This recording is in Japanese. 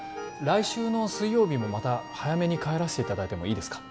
来週の水曜日もまた早めに帰らせていただいてもいいですか？